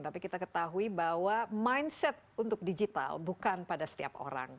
tapi kita ketahui bahwa mindset untuk digital bukan pada setiap orang